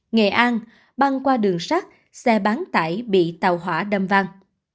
nghệ an băng qua đường sát xe bán tải bị tàu hỏa đâm văng